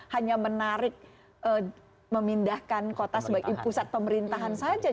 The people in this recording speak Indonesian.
hanya menarik memindahkan kota sebagai pusat pemerintahan saja